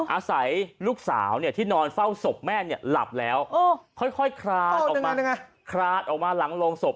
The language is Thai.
อาศัยลูกสาวที่นอนเฝ้าศพแม่เนี่ยหลับแล้วค่อยคลานออกมาคลาดออกมาหลังโรงศพ